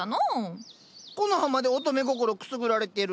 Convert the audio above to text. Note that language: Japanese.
コノハまで乙女心くすぐられてる。